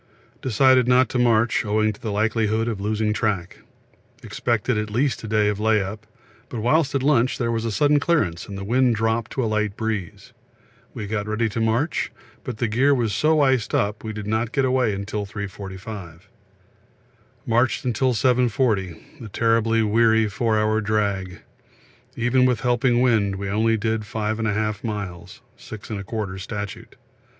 We decided not to march owing to likelihood of losing track; expected at least a day of lay up, but whilst at lunch there was a sudden clearance and wind dropped to light breeze. We got ready to march, but gear was so iced up we did not get away till 3.45. Marched till 7.40 a terribly weary four hour drag; even with helping wind we only did 5 1/2 miles (6 1/4 statute).